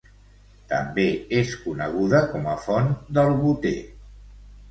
També és coneguda com a font del Boter.